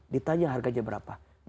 ditanya harganya berapa